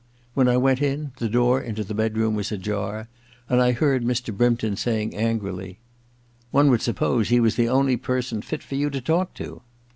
When I went in, the door into the bedroom was ajar, and I heard Mr. Brympton saying angrily :—* One would sup pose he was the only person fit for you to talk to.'